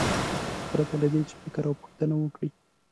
پرته له دې چې فکر او پوښتنه وکړي.